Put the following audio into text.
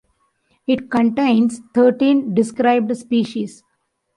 It contains thirteen described species.